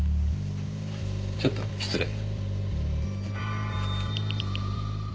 ちょっと失礼。